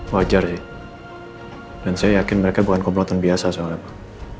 wajar sih dan saya yakin mereka bukan kompeten biasa soalnya pak